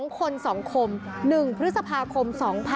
๒คน๒คม๑พฤษภาคม๒๕๖๒